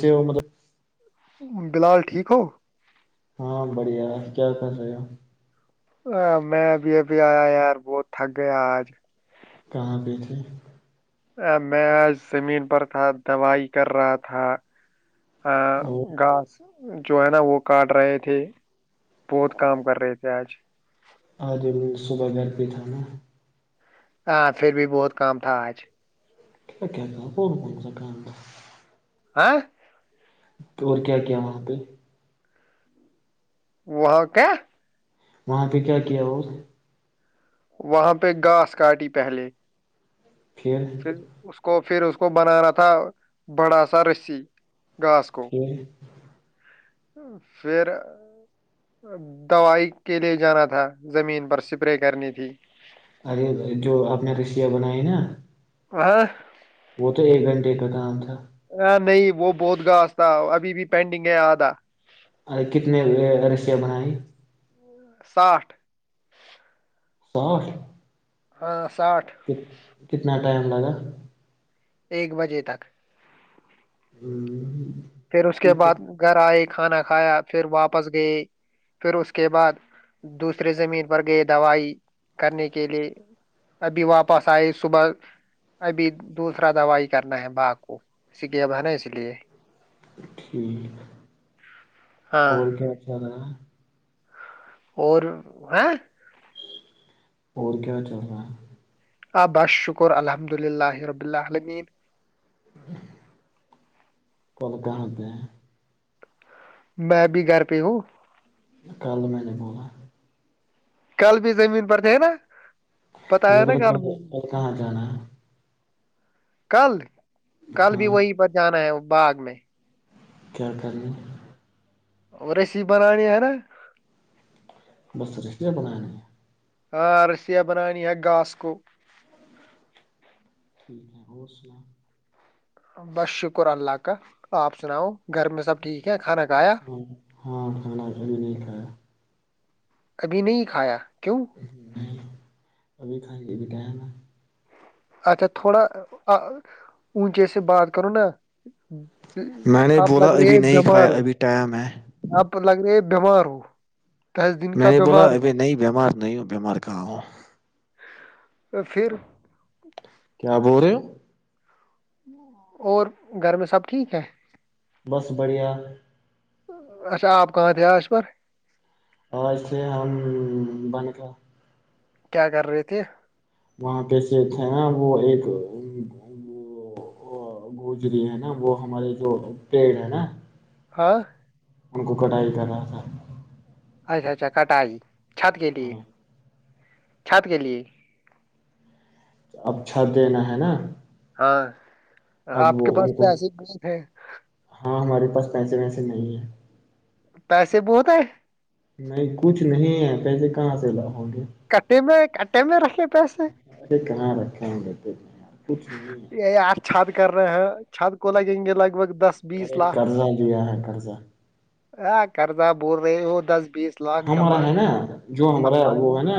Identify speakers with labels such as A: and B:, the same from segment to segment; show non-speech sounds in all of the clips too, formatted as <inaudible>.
A: جے وہ مطلب
B: بلال ٹھیک ہو
A: ہاں بڑھیا کیا پسے گ
B: ہاں میں اب ابھی آیا یار بہت تھگ گیا آج
A: کہاں بھی تھے
B: ا میں آج زمین پر تھا دوائی کر رہا تھا ا
A: اور
B: گھاس جو ہے نا وہ کاٹ رہے تھے بہت کام کر رہے تھے آج
A: آج صبح گھر پہ تھا نا
B: ہاں پھر بھی بہت کام تھا آج
A: کیا کیا کہ کون کون سک
B: ہ <inaudible>
A: اور کیا کیا ہو ہو تو
B: وہاں کیا
A: وہاں پہ کیا کیا وہ
B: وہاں پہ گھاس کاٹی پہلے پھر اس کو پھر اس کو کو بنانا تھا بڑا سا رسی گاسکو
A: پھر
B: پھر دوائی کے لیے جانا تھا زمین پر سپرے کرنی تھی
A: ارے جو آ نے رسیاں بنائی نا
B: آ <inaudible>
A: وہ تو ایک گھنٹے کا کام تھا
B: آ, نہیں وہ بہت گاس تھا ابھی بھی پینڈنگ ہے آدھا
A: ارے کتنے رسیاں بنیں
B: ساٹھ <inaudible>
A: ساش <inaudible>
B: ہاں <inaudible>
A: ک کتنا ٹائم لگا ہ <inaudible>
B: ایک بجے تک
A: ہوں <inaudible>
B: پھر اس کے بعد گھر آئے کھانا کھایا پھر واپس گئے پھر اس کے بعد دوسرے زمین پر گئے دوائی کرنے کے لیے ابھی واپس آئے صبح ابھی دوسرا دوائی کرنا ہے باغ کو اس لیے اب ہے نا اس لیے
A: ٹھیک
B: ہاں
A: اور کیا خیا رہ ہے <inaudible>
B: اور ہ <inaudible>
A: اور کیا چل رہ ہے
B: آ بس شکر الحمد اللہ رب اللہ اللمین
A: کلکاں سے
B: میں بھی گھر پہ ہوں
A: کل میں نے بوول <inaudible>
B: کل بھی زمین پر تھے نا
A: میں نے
B: بتایا نا
A: پل
B: کل میں نے،
A: کہ کہاں جان ہے <inaudible>
B: کل کل
A: ہاں
B: بھی وہی پر جانا ہے باغ میں
A: کیا کر گ <inaudible>
B: اور ایسی بنانی ہے نا
A: بست ر اس بنا نہیں <inaudible>
B: ہاں رسییا بنانی ہے گاس کوو
A: ٹھیک ہے اور سنا <inaudible>
B: بس شکر اللہ کاا آپ سناؤ گھر میں سب ٹھیک ہے کھانا کھایا
A: ہ ہاں کھانا پ بھی نہیں کھایا <inaudible>
B: ابھی نہیں کھایا کیوں
A: ہاں
B: <inaudible>
A: ج بھی ٹائم <inaudible>
B: اچھا تھوڑا اونچے سے بات کروں نا
A: میں نے
B: آپ
A: بولا
B: لگ
A: ابھی
B: رہے
A: نہیں
B: بیمار
A: کھایا
B: ہو
A: ابھی ٹائم ہے
B: آپ لگ رہے بیمار ہو دس دن
A: میں
B: کا
A: نے بولا
B: بیمار
A: ابھی
B: ہوا
A: نئی بیمار نئی بیمار کہاں ہو
B: پھر
A: کیا بول رہے ہو
B: اور گھر میں سب ٹھیک ہے
A: بس بڑھیا <unintelligible>
B: اچھا آپ کہاں تھے آ اس پر <unintelligible>
A: اور ایسے ہم بنے کا <unintelligible>
B: کیا کر رہے تھے <unintelligible>
A: وہاں پہ سے ہے نا وہ ایک وہ گوجری ہے نا وہ ہمارے جو پیڑ ہے نا <unintelligible>
B: ہاں <unintelligible>
A: ان کو کٹائی کرا تھا <unintelligible>
B: اچھا اچھا کٹائی <unintelligible> چھت کے لی
A: ہاں
B: <unintelligible> چھت کے لیے <unintelligible>
A: اب چھت دینا ہے نا <unintelligible>
B: ہاں <unintelligible>
A: اب
B: آپ
A: وہ
B: کے پاس
A: ان کو
B: تو ایسے گ ہیں <unintelligible>
A: ہاں ہمارے پاس پیسے ویسے نہیں ہے <unintelligible>
B: پیسے بہت ہے <unintelligible>
A: نہیں کچھ نہیں ہے پیسے کہاں سے لا ہو گے <unintelligible>
B: کٹے میں کٹے میں رکھے <unintelligible>
A: کہاں رکھ گ <unintelligible> ٹھ <unintelligible>
B: یہی آار چھاد کر رہے ہیں <unintelligible> چھت کو لگیں گے لگ بگ <unintelligible>
A: ارے کرضہ جویا ہے کرضہ <unintelligible>
B: ہاں کردہ بول رہے وہ دس <unintelligible>
A: ہمارا
B: جمع
A: ہے نا جو ہمارا وہ
B: امبانی
A: ہے نا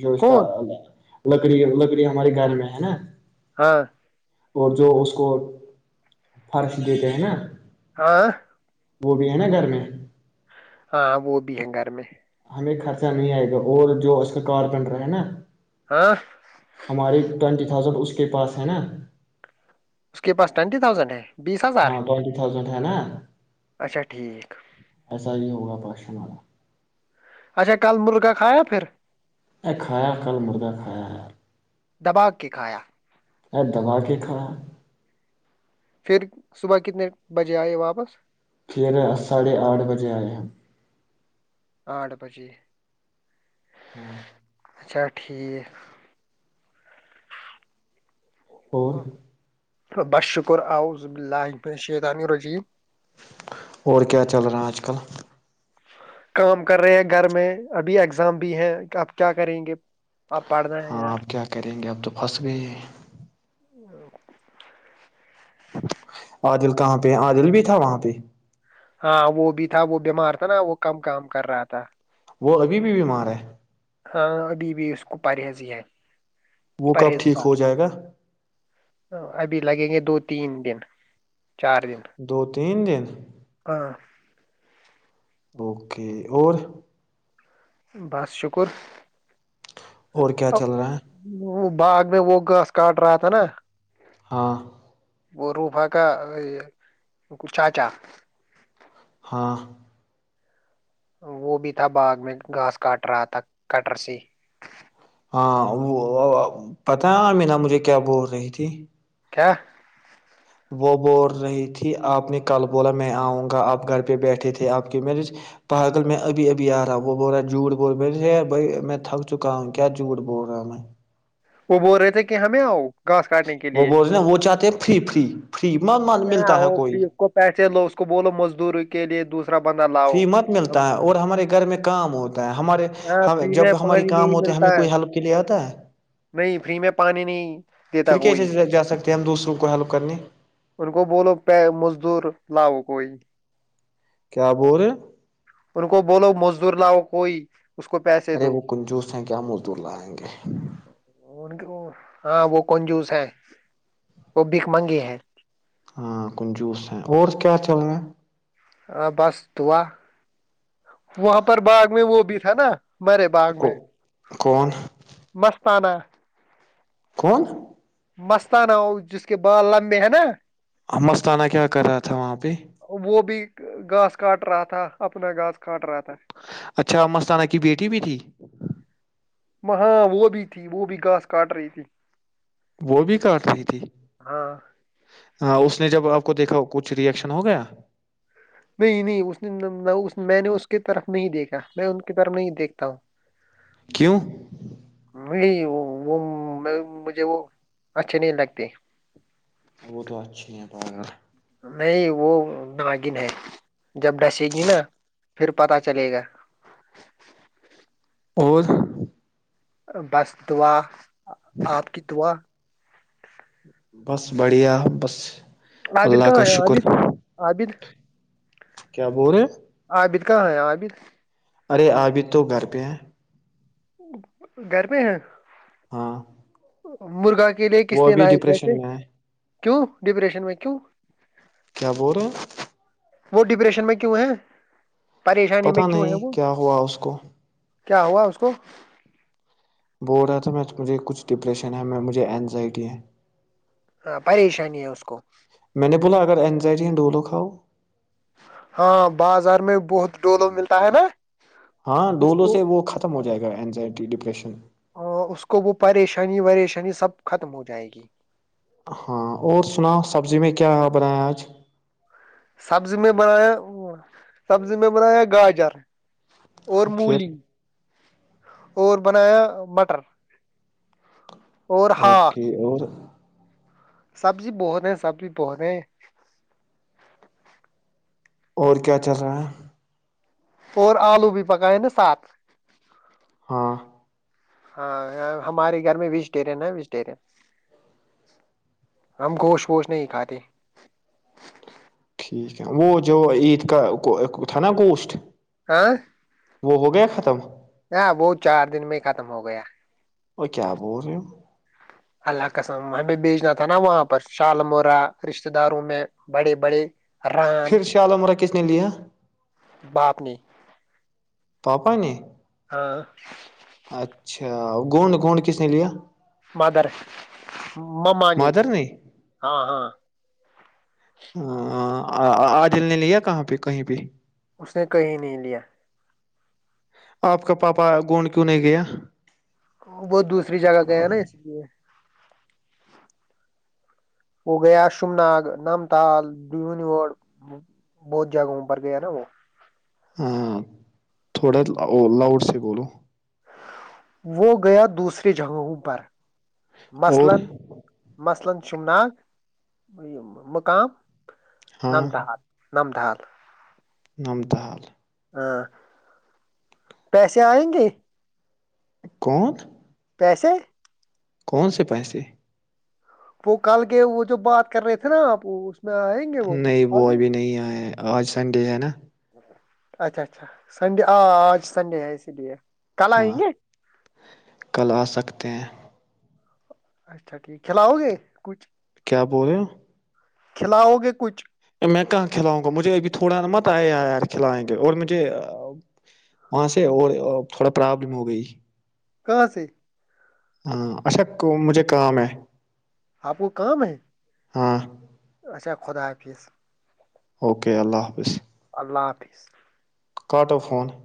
A: جو اس کا
B: کون
A: <unintelligible> لکڑی لکڑی ہمارے گھر میں ہے نا <unintelligible>
B: ہاں <unintelligible>
A: اور جو اس کو فرش دیتے ہیں نا <unintelligible>
B: ہاں <unintelligible>
A: وہ بھی ہے نا گھر میں <unintelligible>
B: ہاں وہ بھی ہیں گھر میں <unintelligible>
A: ہمیں خرچہ نہیں آئے گا اور جو اس کا کارپینٹر ہے نا
B: ہاں
A: <unintelligible> ہماری ٹٹی <unintelligible> اس پاس ہے ن <unintelligible>
B: اس کے پاس ٹوینٹی تھاؤزینڈ ہے بیس ہزار
A: ہاں ٹوینٹی
B: <unintelligible>
A: تھاؤزینڈ ہے نا
B: اچھا ٹھیک
A: <unintelligible> ایسا نہیں ہوگا پاش <unintelligible> شا <unintelligible>
B: اچھا کل مرغا کھایا پھر <unintelligible>
A: ایک کھایا کل مرا کھایا ہے <unintelligible>
B: دبا کے کھایا
A: ا دوبا کے کھانا <unintelligible>
B: پھر صبح کتنے بجے آئے واپس
A: سیر آ ساڑھے آٹھ بجے آئے ہیں
B: آٹھ بجے
A: ہاں
B: اچھا ٹھیک
A: اور
B: بس شکر عذلہ پ شیطانی رضی
A: اور کیا چل رہا ہے اج کل
B: کام کر رہے ہیں گھر میں ابھی اگزام بھی ہے آپ کیا کریں گے اب پڑھنا ہے
A: ہاں
B: یار
A: آپ کیا کریں گے اب تو پھنس گئے
B: ہ
A: عادل کہاں پہ عادل بھی تھا وہاں پہ
B: ہاں وہ بھی تھا وہ بیمار تھا نا وہ کم کام کر رہا تھا
A: وہ ابھی بھی بیمار ہے
B: ہاں ابھی بھی اس کو پارحیضی ہے
A: وہ کب ٹھیک ہو
B: پرہیزگار
A: جائے گا
B: ابھی لگیں گے دو تین دن چار دن
A: دو تین دن
B: ہاں
A: اوکے اور
B: بس شکر
A: اور کیا چل رہا ہے
B: وہ باغ میں وہ گاس کاٹ رہا تھا نا
A: ہاں
B: وہ روفا کا چاچا
A: ہاں
B: وہ بھی تھا باغ میں گھاس کاٹ رہا تھا کٹر س
A: ہاں وہ پتا ہے امینا مجھے کیا بول رہی تھی
B: کیا
A: وہ بول رہی تھی آپ نے کل بولا میں آؤں گا آپ گھر پہ بیٹھے تھے آپ کی میں پاگل میں ابھی ابھی آ رہا وہ بول رہا جھٹ بول بھائی میں تھک چکا ہوں کیا جھوٹ بول رہا میں
B: وہ بول رہے تھے کہ ہمیں آؤ گھاس کاٹنے کے
A: وہ
B: لیے
A: بولتے وہ چاہتے ہیں فری فری فری م ملتا ہے کوئی
B: قبول و مزدوروں کے لیئے دوسرے
A: فری مت ملتا ہے اور ہمارے گھر میں کام ہوتا ہے ہمارے جب ہماری کام ہوتے ہے ہمیں کوئی ہیلپ کے لیے آتا ہے
B: نہیں فری میں پانی نہیں دیتا
A: پھر
B: کوئی
A: کیسے جا سکتے ہیں ہم دوسروں کو ہیلپ کرنے
B: ان کو بولو پ مزدور لاؤ کوئی <unintelligible>
A: کیا بول رہے
B: ان کو بولو مزدور لاؤ کوئی اس کو پیسے
A: ارے
B: دو
A: وہ کنجوس ہیں کیا مزدور لائیں گے
B: ہاں وہ کنجوس ہے وہ بک منگی ہے
A: ہاں کنجوس ہیں اور کیا چل رہا ہے
B: ہاں بس دعا وہاں پر باغ میں وہ بھی تھا نا مرے باغ
A: کو
B: میں <inaudible>
A: کون <inaudible>
B: مستانہ <inaudible>
A: کون
B: مستانہ ہو جس کے بال لمبے ہیں نا
A: مستانہ کیا کر رہا تھا وہاںہ
B: وہ بھی <inaudible> گاس کاٹ رہا تھا اپنا گاس کاٹ رہا تھا
A: اچھا مستانہ کی بیٹی بھی تھی
B: وہاں وہ بھی تھی وہ بھی گھاس کاٹ رہی تھی
A: وہ بھی کاٹ رہی تھی
B: ہاں
A: <inaudible> ہاں اس نے جب آپ کو دیکھا کچھ ریئیکشن ہو گیا
B: نہیں نہیں اس نے میں نے اس کے طرف <inaudible> نہیں دیکا میں ان کی طرف نہیں دیکھتا ہوں <inaudible>
A: کیوں <inaudible>
B: وہ مجھے وہ اچھے نہیں لگتے <inaudible>
A: وہ تو اچھی پ <inaudible>
B: نہیں وہ ناگن ہے جب ڈھسے گی نا پھر پتا چلے گا <inaudible>
A: اور <inaudible>
B: بسدوا <inaudible> آپ کی دعا <inaudible> <inaudible>
A: بس بڑھیا بس <inaudible>
B: عابد
A: اللہ
B: کہاں
A: کا
B: ہے
A: شکر
B: عابد عابد
A: کیا بول رہے
B: عابد کہاں ہے عابر <inaudible>
A: ارے ابھی تو گھر پہ ہیں <inaudible>
B: گھر پ ہے <inaudible>
A: ہاں <inaudible>
B: مرگا <inaudible> کے لیے کس
A: وہ
B: نے
A: ابھی
B: لائے پیسے
A: ڈپریشن میں ہے
B: <inaudible> کیوں ڈپریشن میں کیوں
A: کیا بول رہے <inaudible>
B: وہ ڈپریشن میں کیوں ہے پریشانی
A: پت
B: میں کیوں
A: نہیں
B: ہے وہ
A: کیا ہوا اس کو
B: کیا ہوا اس کو
A: ہو رہا تھا میں مجھے کچھ ڈپریشن ہے میں مجھے انینزائٹی ہے <inaudible>
B: ہاں پریشانی ہے اس کو <inaudible>
A: ب بوللہ اگر ا انینزائٹی ہند ڈھولوک ہوؤ <inaudible>
B: ہاں بازار میں بہت ڈولو ملتا ہے نا
A: ہاں
B: <inaudible> اس
A: ڈولو
B: کو
A: سے وہ ختم ہو جائے گا اینزائٹی ڈپریشن
B: اس کو وہ پریشانی پریشانی <unintelligible> سب ختم ہو جائے گی <unintelligible>
A: ہاں اور سنا سبزی میں کیا بنایا آج <unintelligible>
B: سبزی میں بنایا سبزی میں بنایا گاجر <unintelligible> اور
A: ہاں پھر
B: مولی <unintelligible> اور بنایا مٹر اور ہاک
A: اوکے اور <unintelligible>
B: سبزی بہت ہیں سبزی بہت ہیں <unintelligible>
A: اور کیا چل رہا ہے <unintelligible>
B: اور آلو بھی پکائے نا سات
A: ہاں <unintelligible>
B: ہاں ہمارے گھر میں ویجیٹیرین ہے ویجٹیرین ہم گوشت ووش نہیں کھاتے
A: ٹھیک ہے وہ جو عید کا تھا نا گوشت
B: آ <unintelligible>
A: وہ ہو گیا ختم <unintelligible>
B: ہاں وہ چار دن میں ہی ختم ہو گیا
A: وہ کیا بول رہی ہو
B: اللہ کاسم ہمیں بھیجنا تھا نا وہاں پر چال مورا رشتے داروں میں بڑے بڑے <unintelligible>
A: پھر شعالم راکس نے لیا
B: باپ نے
A: پپا نہیں <unintelligible>
B: ہاں <unintelligible>
A: اچھا گوڈ گڈ کس نے لیا <unintelligible>
B: مادر مماانی
A: مادر نے
B: ہاں ہاں <unintelligible>
A: ہ آجل نے لیا کہاں پہ کہیں پہ <unintelligible>
B: اس نے کہیں نہیں لیا <unintelligible> <unintelligible>
A: آپ کا پاپا گوڈ کیوں نہیں گیا <unintelligible>
B: وہ دوسری جگہ گئے نا اس لیے <unintelligible> وہ گیا شوم نگ نام تال بور بہت جگہوں پر گیا نا وہ <unintelligible> <unintelligible>
A: ہاں تھوڑا لاؤڈ سے بولو <unintelligible> <unintelligible>
B: وہ گیا دوسریے جگہوں پر <unintelligible>
A: اور
B: <unintelligible> <unintelligible> <unintelligible> شم نگ مقام <unintelligible> <unintelligible> نام ڈ ہار <unintelligible> <unintelligible> نمد حال <unintelligible> <unintelligible>
A: نمتا حال <unintelligible> <unintelligible>
B: ہاں <unintelligible> <unintelligible> پیسے آئیں گے <unintelligible>
A: کون <unintelligible> <unintelligible>
B: پیسے <unintelligible> <unintelligible>
A: کون سے پیسے <unintelligible> <unintelligible>
B: وہ کل کے وہ جو بات کر رہے تھے نا آپ <unintelligible> گے
A: نہیں وہ
B: آگے
A: ابھی نہیں آئے آج سنڈے ہے نا <unintelligible>
B: اچھا اچھا سنڈے آ آج سنڈے ہیں اسی لیے <unintelligible>
A: ہاں
B: گے
A: کل آ سکتے ہیں <unintelligible>
B: اچھا ٹھیک کھلاؤ گے کچھ <unintelligible>
A: کیا بول رہے ہو <unintelligible>
B: کھلاؤ گے کچھ <unintelligible>
A: میں کہاں کھلاؤں گا مجھے ابھی تھوڑا مت آیا یار کھلائیں گے اور مجھے وہاں سے اور تھوڑا پرابلم ہو گئی <unintelligible>
B: کہاں سے <unintelligible>
A: ہاں اچھا مجھے کام ہے <unintelligible>
B: آپ کو کام ہے <unintelligible>
A: ہاں <unintelligible>
B: اچھا خدا حافظ <unintelligible>
A: اوکے اللہ حافظ <unintelligible>
B: اللہ حافظ <unintelligible>
A: کاٹوفون <unintelligible>